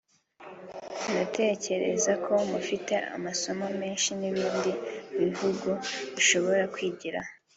ndatekereza ko mufite amasomo menshi ibindi bihugu bishobora kwigiraho